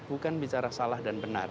bukan bicara salah dan benar